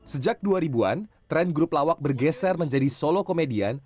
sejak dua ribu an tren grup lawak bergeser menjadi solo komedian